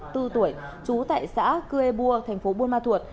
năm mươi bốn tuổi trú tại xã cưê bua thành phố buôn ma thuột